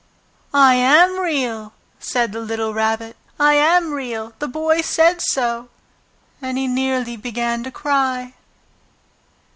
"I am Real!" said the little Rabbit. "I am Real! The Boy said so!" And he nearly began to cry.